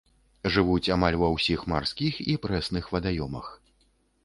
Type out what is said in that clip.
Жывуць амаль ва ўсіх марскіх і прэсных вадаёмах.